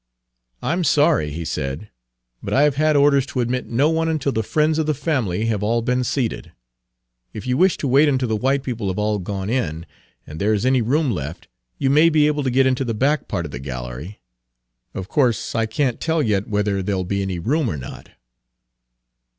"I 'm sorry," he said, "but I have had orders to admit no one until the friends of the family have all been seated. If you wish to wait until the white people have all gone in, and there 's any room left, you may be able to get into the back part of the gallery. Of course I can't tell yet whether there 'll be any room or not."